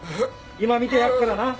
今診てやるからな。